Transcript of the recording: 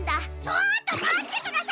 ちょっとまってください！